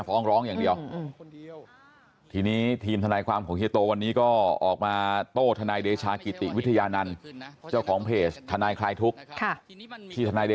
ผมเป็นคนปกติ